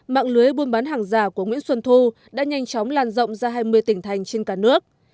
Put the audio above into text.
mạng lưới buôn bán hàng giả của nguyễn xuân thu đã nhanh chóng lan rộng ra hai mươi tỉnh thành trên cả nước